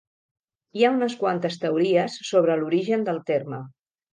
Hi ha unes quantes teories sobre l'origen del terme.